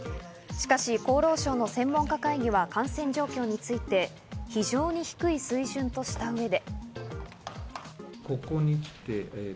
しかし厚労省の専門家会議は感染状況について非常に低い水準とした上で。